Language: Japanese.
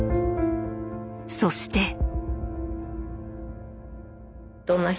そして。